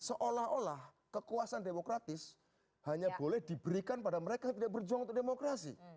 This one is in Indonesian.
seolah olah kekuasaan demokratis hanya boleh diberikan pada mereka yang tidak berjuang untuk demokrasi